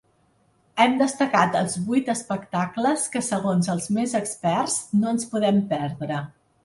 Hem destacat els vuit espectacles que segons els més experts no ens podem perdre.